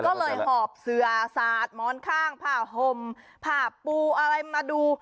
ก็เลยหอบเสือสาดหมอนข้างผ้าห่มผ้าปูอะไรมาดู